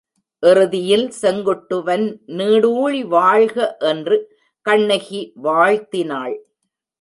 இறுதியில் செங்குட்டுவன் நீடுழி வாழ்க என்று கண்ணகி வாழ்த்தினாள்.